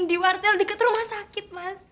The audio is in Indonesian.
di warcel deket rumah sakit mas